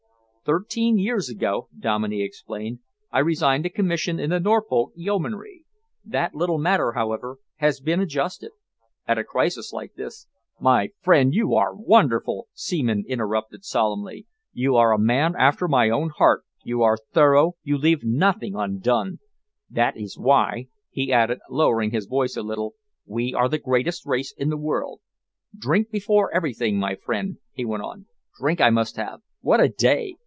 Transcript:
"Thirteen years ago," Dominey explained, "I resigned a commission in the Norfolk Yeomanry. That little matter, however, has been adjusted. At a crisis like this " "My friend, you are wonderful!" Seaman interrupted solemnly. "You are a man after my own heart, you are thorough, you leave nothing undone. That is why," he added, lowering his voice a little, "we are the greatest race in the world. Drink before everything, my friend," he went on, "drink I must have. What a day!